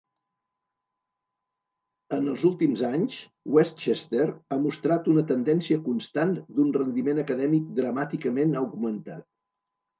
En els últims anys, Westchester ha mostrat una tendència constant d'un rendiment acadèmic dramàticament augmentat.